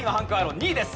２位です。